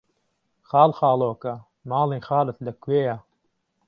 خاڵخاڵۆکە، ماڵی خاڵت لەکوێیە؟!